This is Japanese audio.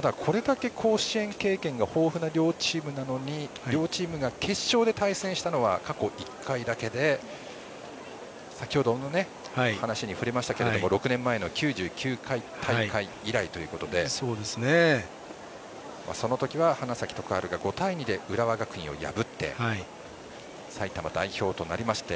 これだけ甲子園経験が豊富な両チームなのに両チームが決勝で対戦したのは過去１回だけで先程の話もありましたけど６年前の９９回大会以来ということでその時は花咲徳栄が５対２で浦和学院を破って埼玉代表となりまして